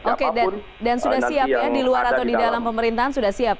oke dan sudah siap ya di luar atau di dalam pemerintahan sudah siap